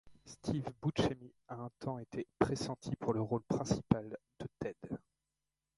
Steve Buscemi a un temps été pressenti pour le rôle principal de Ted.